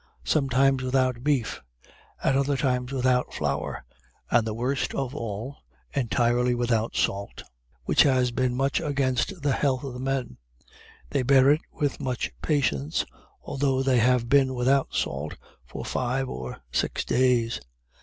Sometimes without beef at other times without flour: and the worst of all, entirely without salt, which has been much against the health of the men. They bear it with much patience, although they have been without salt for five or six days."